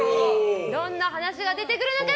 どんな話が出てくるのか。